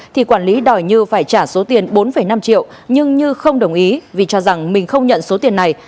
thì quản lý đòi như phải trả số tiền bốn năm triệu nhưng như không đồng ý vì cho rằng mình không nhận số tiền này